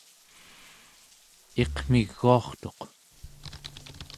iqmiguartuq